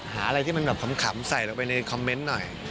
อะไรที่มันแบบขำใส่ลงไปในคอมเมนต์หน่อย